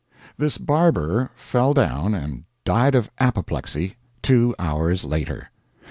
This barber fell down and died of apoplexy two hours later.